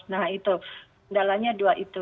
nah itu kendalanya dua itu